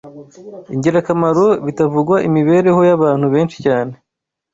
ingirakamaro bitavugwa imibereho y’abantu benshi cyane.